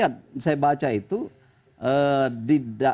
yang utama adalah ini adalah kekuatan perusahaan yang ditandai